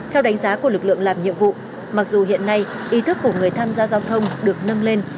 theo đánh giá của lực lượng làm nhiệm vụ mặc dù hiện nay ý thức của người tham gia giao thông được nâng lên